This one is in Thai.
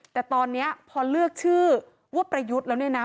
แต่ตอนนี้พอเลือกชื่อว่าประยุทธ์แล้วเนี่ยนะ